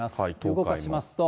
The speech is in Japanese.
動かしますと。